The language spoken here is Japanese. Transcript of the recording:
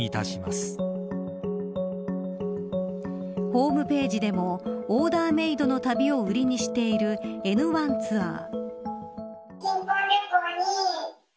ホームページでもオーダーメイドの旅を売りにしているエヌワンツアー。